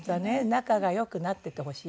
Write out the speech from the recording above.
仲が良くなっててほしいから。